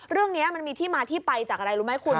เรื่องนี้มันมีที่มาที่ไปจากอะไรรู้ไหมคุณ